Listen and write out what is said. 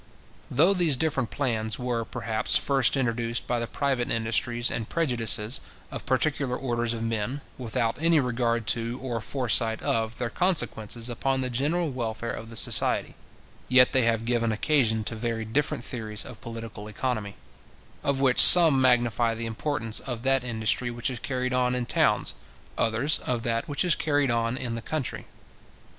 Though those different plans were, perhaps, first introduced by the private interests and prejudices of particular orders of men, without any regard to, or foresight of, their consequences upon the general welfare of the society; yet they have given occasion to very different theories of political economy; of which some magnify the importance of that industry which is carried on in towns, others of that which is carried on in the country.